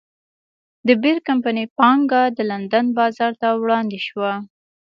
د بیر کمپنۍ پانګه د لندن بازار ته وړاندې شوه.